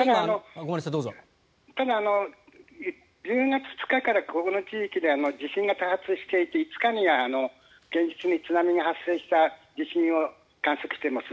ただ、１０月２日からこの地域では地震が発生していて５日には現実に津波が発生した地震を観測しています。